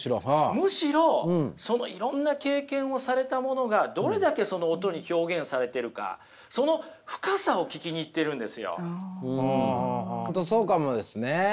むしろそのいろんな経験をされたものがどれだけその音に表現されてるかそうかもですね。